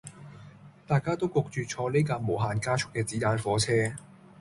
大家都焗住坐呢架無限加速嘅子彈火車